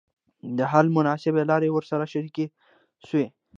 د حل مناسبي لاري ورسره شریکي سوې.